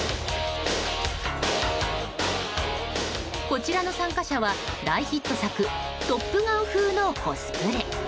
こちらの参加者は大ヒット作「トップガン」風のコスプレ。